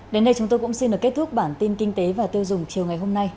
đến đây chúng tôi cũng xin được kết thúc bản tin kinh tế và tiêu dùng chiều ngày hôm nay